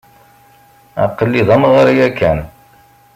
Aql-i d amɣar yakan.